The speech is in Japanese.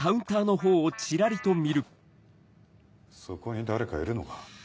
そこに誰かいるのか？